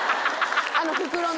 あの袋の。